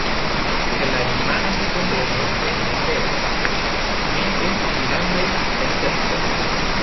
Se la rimana hipotezo estas vera, ne estas pli grandaj esceptoj.